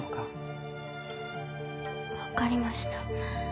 わかりました。